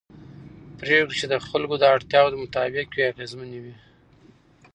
پرېکړې چې د خلکو د اړتیاوو مطابق وي اغېزمنې وي